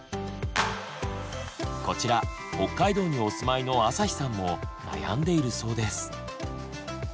こちら北海道にお住まいの朝日さんも悩んでいるそうです。